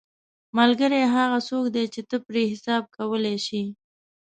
ملګری هغه څوک دی چې ته پرې حساب کولی شې